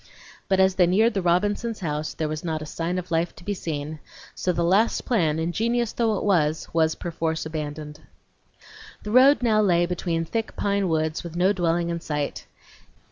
But as they neared the Robinsons' house there was not a sign of life to be seen; so the last plan, ingenious though it was, was perforce abandoned. The road now lay between thick pine woods with no dwelling in sight.